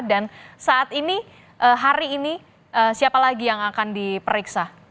dan saat ini hari ini siapa lagi yang akan diperiksa